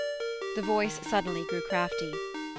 _"' The voice suddenly grew crafty.